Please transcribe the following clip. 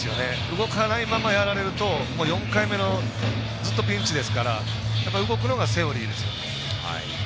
動かないままやられると４回目のピンチですから動くのがセオリーですよね。